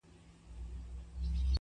o له ما پـرته وبـــل چــــــاتــــــه.